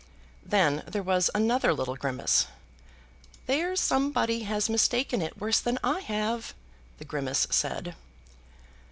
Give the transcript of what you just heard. Then there was another little grimace. "There's somebody has mistaken it worse than I have," the grimace said.